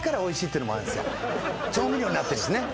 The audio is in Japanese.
調味料になってるんですね。